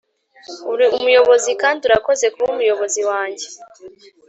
uri umuyobozi kandi urakoze kuba umuyobozi wanjye.